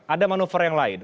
ada manuver yang lain